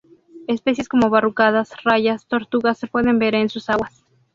Especies como barracudas, rayas, tortugas se pueden ver en sus aguas.